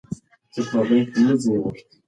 نجلۍ خپلې سترګې پټې کړې.